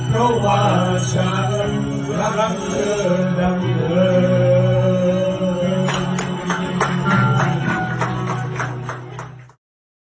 อยากจะรู้ว่าเป็นใครเพราะว่าฉันรักเธอดังเวิร์ด